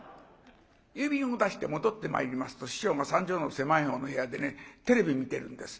郵便を出して戻ってまいりますと師匠が３畳の狭いほうの部屋でテレビ見てるんです。